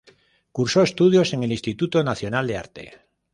Cursó estudios en el Instituto Nacional de Arte.